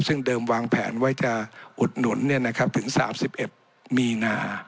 ซึ่งเดิมวางแผนไว้จะอุดหนุนเนี่ยนะครับถึงสามสิบเอ็ดมีนา